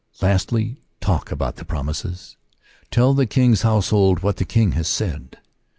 Lastly, talk about the promises. Tell the King s household what the King has said.